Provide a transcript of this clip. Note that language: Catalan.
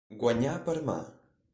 Guanyar per mà.